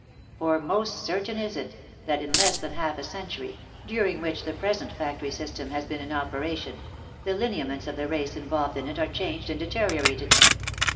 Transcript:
For most certain is it, that in less than half a century, during which the present factory system has been in opera tion, the lineaments of the race involved in it are changed and deterio rated.